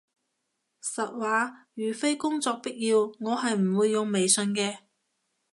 實話，如非工作必要，我係唔會用微信嘅